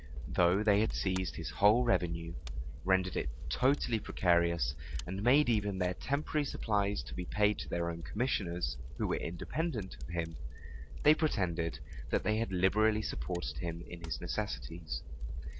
Though they had seized his whole revenue, rendered it totally precarious, and made even their temporary supplies be paid to their own commissioners, who were independent of him, they pretended that they had liberally supported him in his necessities.